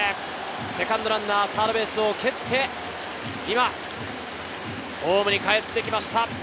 セカンドランナー、サードベースを蹴って、今ホームにかえってきました。